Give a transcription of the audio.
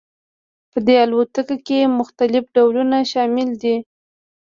په دې الوتکو کې مختلف ډولونه شامل دي